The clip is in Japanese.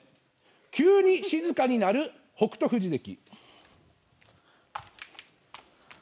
急に静かになる北勝富士関。